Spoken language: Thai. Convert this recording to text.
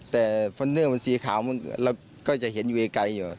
แต่ฟอร์เนอร์มันสีขาวเราก็จะเห็นอยู่ไกลอยู่